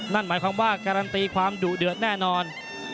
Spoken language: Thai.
นั่นหมายความว่าการันตีความดุเดือดแน่นอน